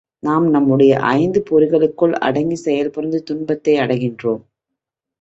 நாம் நம்முடைய ஐந்து பொறிகளுக்குள் அடங்கிச் செயல்புரிந்து துன்பத்தை அடைகின்றோம்.